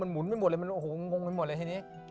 มันหมุนไม่หมดเลยมันหงงไม่หมดเลยทีนี้